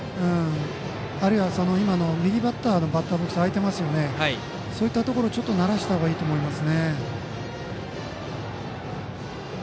あるいは、右バッターのバッターボックスが空いていますけどそういうところをならした方がいいと思います。